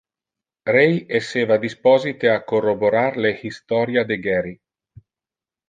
Ray esseva disposite a corroborar le historia de Gary.